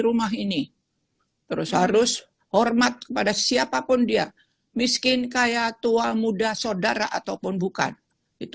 rumah ini terus harus hormat kepada siapapun dia miskin kaya tua muda saudara ataupun bukan itu